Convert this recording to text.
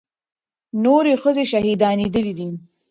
نورې ښځې شهيدانېدلې.